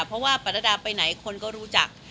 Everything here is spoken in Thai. เพราะว่าปรดาไปไหนคนก็รู้จัก